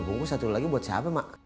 tiga bungkus satu lagi buat siapa mak